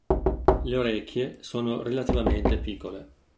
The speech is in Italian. Le orecchie sono relativamente piccole.